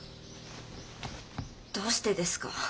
どうしてですか？